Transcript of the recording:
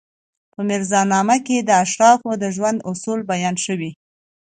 په میرزا نامه کې د اشرافو د ژوند اصول بیان شوي.